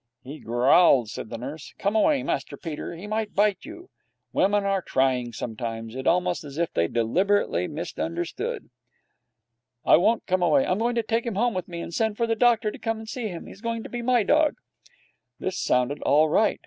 'He growled,' said the nurse. 'Come away, Master Peter. He might bite you.' Women are trying sometimes. It is almost as if they deliberately misunderstood. 'I won't come away. I'm going to take him home with me and send for the doctor to come and see him. He's going to be my dog.' This sounded all right.